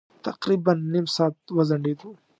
تقريباً نيم ساعت وځنډېدو.